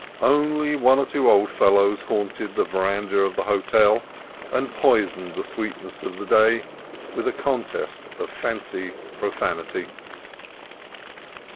Only one or two old fellows haunted the veranda of the hotel and poisoned the sweetness of the day with SUNDAY AT HARDY CREEK 281 a contest of fancy profanity.